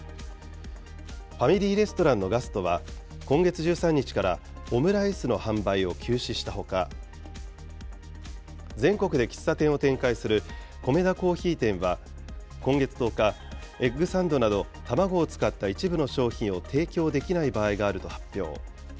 ファミリーレストランのガストは、今月１３日からオムライスの販売を休止したほか、全国で喫茶店を展開するコメダ珈琲店は今月１０日、エッグサンドなど卵を使った一部の商品を提供できない場合があると発表。